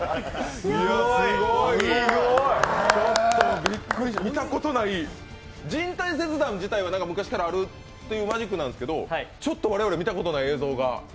いや、すごい！見たことない人体切断自体は昔からあるマジックですけど、ちょっと我々、見たことない映像が。